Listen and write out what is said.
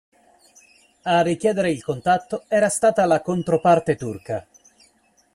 A richiedere il contatto era stata la controparte turca.